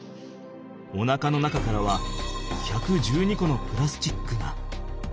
おなかの中からは１１２個のプラスチックが。